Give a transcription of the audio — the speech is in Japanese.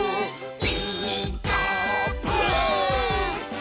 「ピーカーブ！」